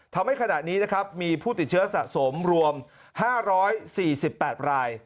ทำให้ขณะนี้นะครับมีผู้ติดเชื้อสะสมรวม๕๔๘ราย